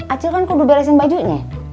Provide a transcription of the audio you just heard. acil kan kudu beresin bajunya